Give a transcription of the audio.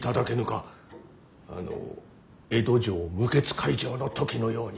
あの江戸城無血開城の時のように。